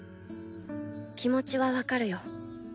気持ちは分かるよ。